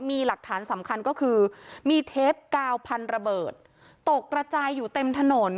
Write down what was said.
มีหลักฐานสำคัญก็คือมีเทปกาวพันระเบิดตกระจายอยู่เต็มถนน